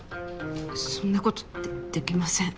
そんなこと出来ません。